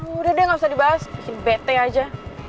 udah deh gak usah dibahas bikin bt aja